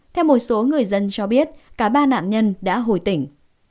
theo một số người dân cho biết cả ba nạn nhân đã hồi tỉnh